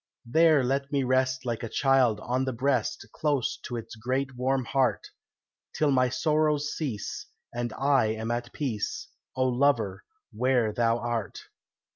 There let me rest like a child on the breast, Close to its great warm heart, Till my sorrows cease and I am at peace, O lover, where thou art."